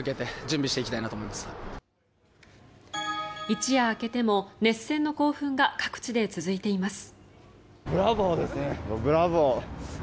一夜明けても熱戦の興奮が各地で続いています。